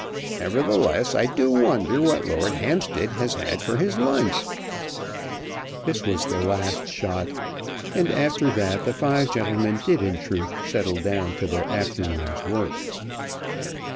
"Nevertheless, I do wonder what Lord Hampstead has had for his lunch." This was the last shot, and after that the five gentlemen did in truth settle down to their afternoon's work.